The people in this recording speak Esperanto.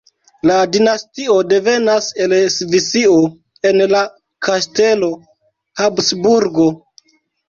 La dinastio devenas el Svisio en la kastelo Habsburgo.